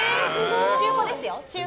中古ですよ。